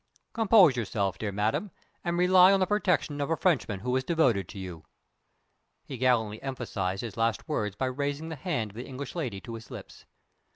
Compose yourself, dear madam, and rely on the protection of a Frenchman who is devoted to you!" He gallantly emphasized his last words by raising the hand of the English lady to his lips.